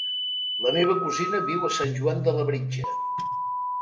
La meva cosina viu a Sant Joan de Labritja.